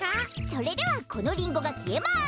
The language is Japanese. それではこのリンゴがきえます。